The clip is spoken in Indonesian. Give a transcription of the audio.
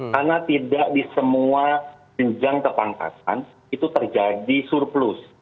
karena tidak di semua jenjang kepangkatan itu terjadi surplus